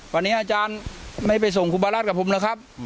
วันนี้อาจารย์ไม่ไปส่งครูบารัฐกับผมแล้วครับ